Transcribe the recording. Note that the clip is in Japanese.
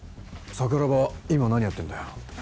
桜庭は今何やってるんだよ。